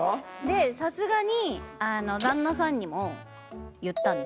さすがに旦那さんにも言ったんです。